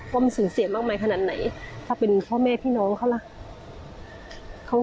ว่ามันสูญเสียมากมายขนาดไหนถ้าเป็นพ่อแม่พี่น้องเขาล่ะ